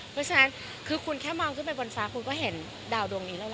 เพราะฉะนั้นคือคุณแค่มองขึ้นไปบนฟ้าคุณก็เห็นดาวดวงนี้แล้วล่ะ